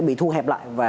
bị thu hẹp lại và